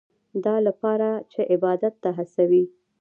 دا لپاره چې عبادت ته هڅوي.